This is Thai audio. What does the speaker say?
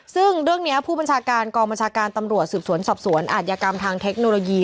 ซึ่งเรื่องนี้ผู้บัญชาการกองบัญชาการตำรวจสืบสวนสอบสวนอาจยากรรมทางเทคโนโลยี